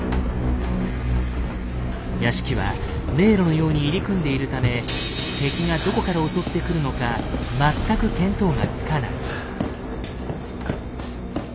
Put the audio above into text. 屋敷は迷路のように入り組んでいるため敵がどこから襲ってくるのか全く見当がつかない。